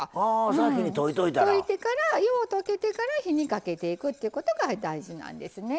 溶いてからよう溶けてから火にかけていくっていうことが大事なんですね。